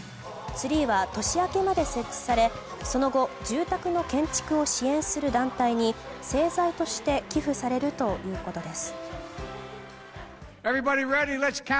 ツリーは年明けまで設置されその後住宅の建築を支援する団体に製材として寄付されるということです。